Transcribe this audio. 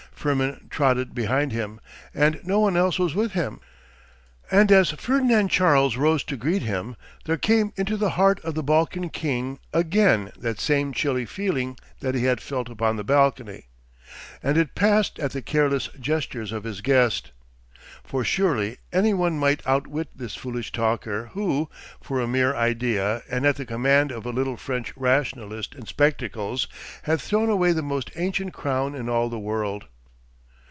Firmin trotted behind him, and no one else was with him. And as Ferdinand Charles rose to greet him, there came into the heart of the Balkan king again that same chilly feeling that he had felt upon the balcony—and it passed at the careless gestures of his guest. For surely any one might outwit this foolish talker who, for a mere idea and at the command of a little French rationalist in spectacles, had thrown away the most ancient crown in all the world.